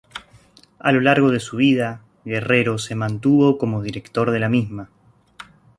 A lo largo de su vida, Guerrero se mantuvo como director de la misma.